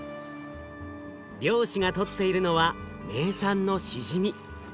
漁師が取っているのは名産のしじみ。